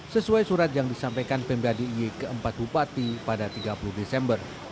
sesuai surat yang disampaikan pemkot d i e ke empat bupati pada tiga puluh desember